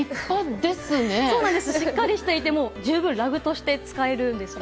しっかりしていて十分ラグとして使えるんです。